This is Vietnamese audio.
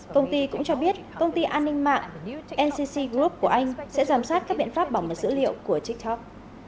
công ty cũng cho biết công ty an ninh mạng ncc group của anh sẽ giám sát các biện pháp bảo mật dữ liệu của tiktok